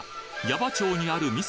矢場町にある味